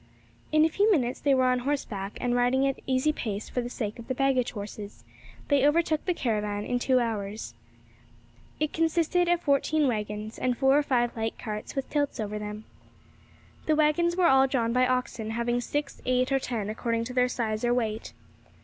In a few minutes they were on horseback, and, riding at easy pace for the sake of the baggage horses, they overtook the caravan in two hours. It consisted of fourteen waggons, and four or five light carts with tilts over them. The waggons were all drawn by oxen, having six, eight, or ten according to their size or weight.